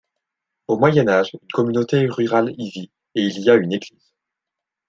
Au Moyen Âge, une communauté rurale y vit et il y a une église.